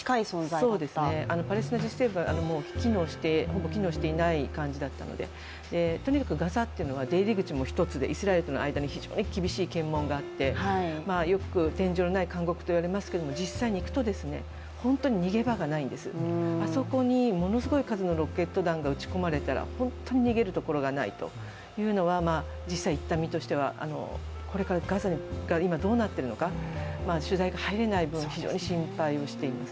パレスチナ自治区政府はほぼ機能していなかったのでとにかくガザというのは出入り口も１つでイスラエルとの間に非常に厳しい検問もあってよく天井のない監獄と言われますが、実際に行くと、本当に逃げ場がないんです、あそこにものすごい数のロケット弾が撃ち込まれたら本当に逃げるところがないというのは実際に行った身としては、これから、ガザが今どうなっているのか、取材が入れない分、非常に心配しています。